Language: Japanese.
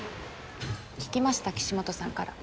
聞きました岸本さんから。